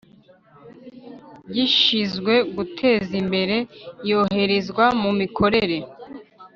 Gishinzwe guteza imbere Iyoherezwa mu mikorere